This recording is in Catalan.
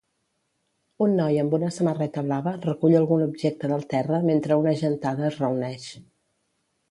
Un noi amb una samarreta blava recull algun objecte del terra mentre una gentada es reuneix.